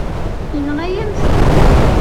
Yenɣa-yam-ten.